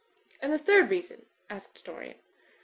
"And the third reason?" asked Dorian.